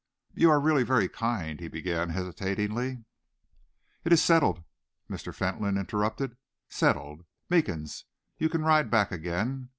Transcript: "You are really very kind," he began hesitatingly . "It is settled," Mr. Fentolin interrupted, "settled. Meekins, you can ride back again.